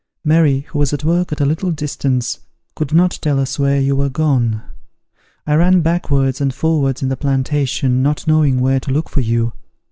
Mary, who was at work at a little distance, could not tell us where you were gone. I ran backwards and forwards in the plantation, not knowing where to look for you.